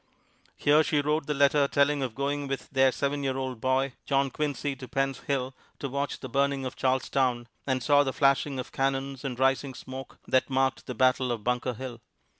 Here, she wrote the letter telling of going with their seven year old boy, John Quincy, to Penn's Hill to watch the burning of Charlestown; and saw the flashing of cannons and rising smoke that marked the battle of Bunker Hill.